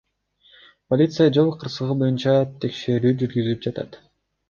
Полиция жол кырсыгы боюнча текшерүү жүргүзүп жатат.